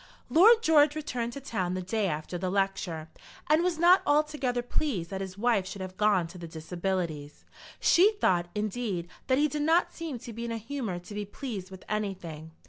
Lord George returned to town the day after the lecture, and was not altogether pleased that his wife should have gone to the Disabilities. She thought, indeed, that he did not seem to be in a humour to be pleased with anything.